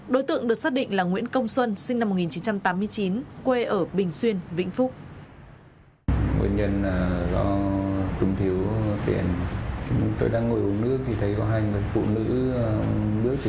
đối tượng được xác định là nguyễn công xuân sinh năm một nghìn chín trăm tám mươi chín quê ở bình xuyên vĩnh phúc